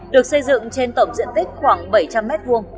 được xây dựng trên tổng diện tích khoảng bảy trăm linh m hai